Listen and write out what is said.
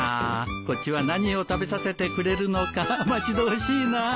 こっちは何を食べさせてくれるのか待ち遠しいなあ。